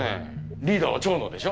リーダーは蝶野でしょ？